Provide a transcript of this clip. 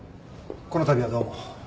このたびはどうも。